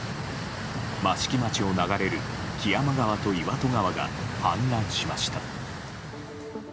益城町を流れる木山川と岩戸川が氾濫しました。